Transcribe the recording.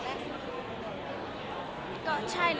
แกได้มั้ย